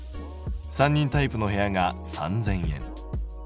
３人タイプの部屋が３０００円。